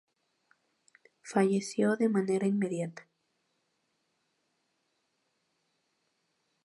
Falleció de manera inmediata.